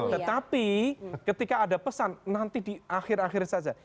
tetapi ketika ada pesan nanti di akhir akhir saja